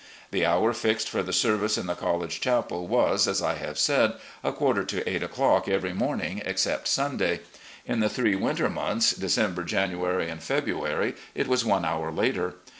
The hour fixed for the service in the college chapel was, as I have said, a quarter to eight o'clock every morning except Stmday. In the three winter months, December, January, and February, it was one hoiu later.